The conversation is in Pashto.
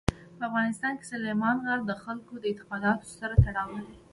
په افغانستان کې سلیمان غر د خلکو د اعتقاداتو سره تړاو لري.